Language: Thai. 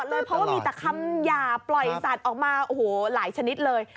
เพราะว่ามีแต่คำหยาบปล่อยสัตว์ออกมาโอ้โหหลายชนิดเลย